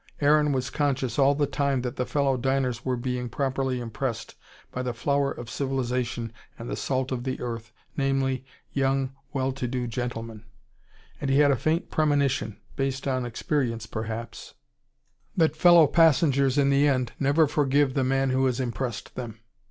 Aaron was conscious all the time that the fellow diners were being properly impressed by the flower of civilisation and the salt of the earth, namely, young, well to do Englishmen. And he had a faint premonition, based on experience perhaps, that fellow passengers in the end never forgive the man who has "impressed" them.